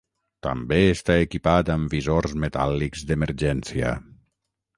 També està equipat amb visors metàl·lics d'emergència.